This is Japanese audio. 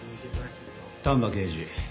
丹波刑事。